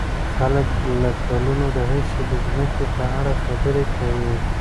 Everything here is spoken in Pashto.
خلک له کلونو راهيسې د ځمکې په اړه خبرې کوي.